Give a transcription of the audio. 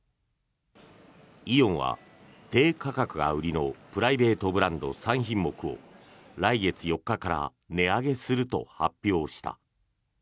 イオンは低価格が売りのプライベートブランド３品目を来月４日から値上げすると発表した。